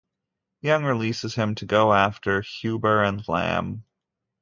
Young releases him to go after Huber and Lamb.